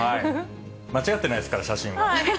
間違ってないですから、写真は。